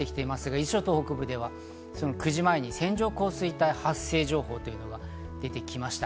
伊豆諸島北部では９時前に線状降水帯発生情報が出てきました。